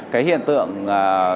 cái hiện tượng